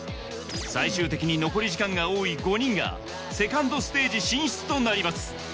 最終的に残り時間が多い５人がセカンドステージ進出となります